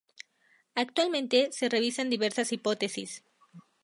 Actualmente, se revisan diversas hipótesis.